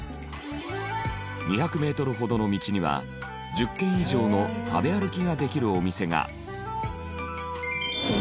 ２００メートルほどの道には１０軒以上の食べ歩きができるお店が。